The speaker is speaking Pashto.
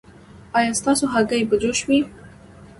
ایا ستاسو هګۍ به جوش وي؟